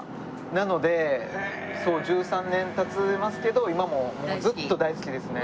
なのでそう１３年経ちますけど今ももうずっと大好きですね。